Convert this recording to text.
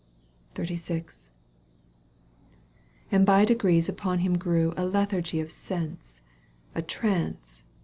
XXXVL And by degrees upon him grew A lethargy of sense, a trance.